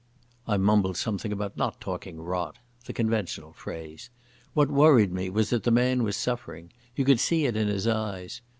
I mumbled something about not talking rot—the conventional phrase. What worried me was that the man was suffering. You could see it in his eyes.